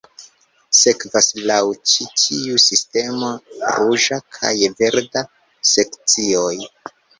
Sekvas laŭ ĉi tiu sistemo ruĝa kaj verda sekcioj.